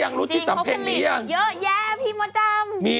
บางอันเปลี่ยนเสียงเป็นการ์ตูนก็ได้